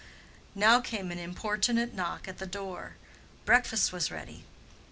Now came an importunate knock at the door: breakfast was ready.